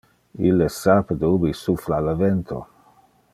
Ille sape de ubi suffla le vento.